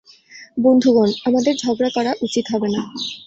বন্ধুগণ, আমাদের ঝগড়া করা উচিত হবে না।